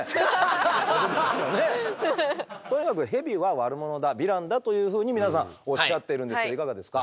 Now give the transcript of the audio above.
とにかくヘビは悪者だヴィランだというふうに皆さんおっしゃっているんですけどいかがですか？